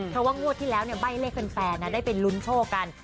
เพราะว่างวดที่แล้วใบ้เลขแฟนได้ไปลุ้นโชคกัน